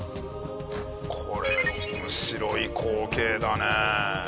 これ面白い光景だねえ。